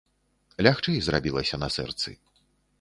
Лягчэй зрабілася на сэрцы.